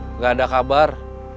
sudah dua hari nggak muncul